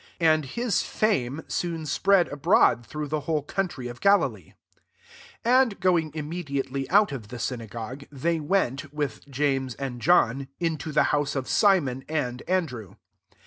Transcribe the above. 28 And his fame soon spread abroad through the whole country of Galilee. 29 And going immediately out of the synagogue, they went, with James and John, into the house of Simon and An drew.